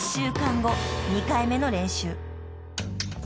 ［２回目の練習］